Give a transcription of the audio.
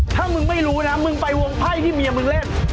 ถ้ามึงไม่รู้นะมึงไปวงไพ่ที่เมียมึงเล่น